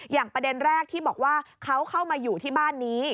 ประเด็นแรกที่บอกว่าเขาเข้ามาอยู่ที่บ้านนี้